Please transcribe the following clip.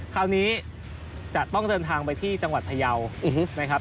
คราวนี้จะต้องเดินทางไปที่จังหวัดพยาวนะครับ